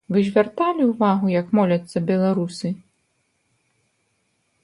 Вы звярталі ўвагу, як моляцца беларусы?